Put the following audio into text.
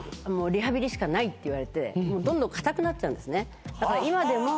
リハビリしかないって言われてどんどん硬くなっちゃうんですね